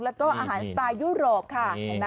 แล้วก็อาหารสไตล์ยุโรปค่ะ